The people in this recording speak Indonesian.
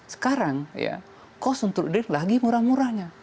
sekarang ya cost untuk drilling lagi murah murahnya